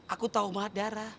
aku tau banget dara